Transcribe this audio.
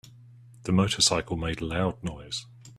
The motorcycle made loud noise.